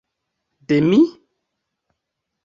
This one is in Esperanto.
De mi?